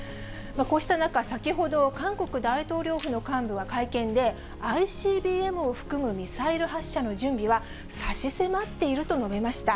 こうした中、先ほど、韓国大統領府の幹部は会見で、ＩＣＢＭを含むミサイル発射の準備は、差し迫っていると述べました。